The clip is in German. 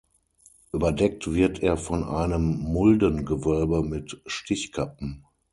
Überdeckt wird er von einem Muldengewölbe mit Stichkappen.